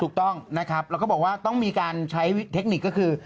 ถูกต้องนะครับแล้วก็บอกว่าต้องมีการใช้เทคนิคก็คือ